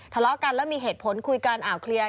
ทะเลาะกันแล้วมีเหตุผลคุยกันอ่าวเคลียร์